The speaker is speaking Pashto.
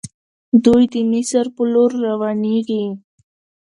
دوی د مصر په لور روانيږي.